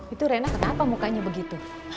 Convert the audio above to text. itu rena kenapa mukanya begitu